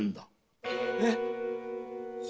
えっ？